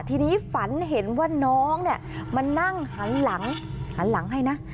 ทีนี้ฝันเห็นว่าน้องเนี่ยมานั่งหันหลังหันหลังให้นะ